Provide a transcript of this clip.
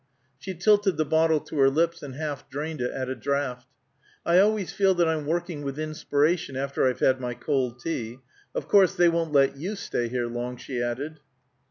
She tilted the bottle to her lips, and half drained it at a draught. "I always feel that I'm working with inspiration after I've had my cold tea. Of course they won't let you stay here long," she added.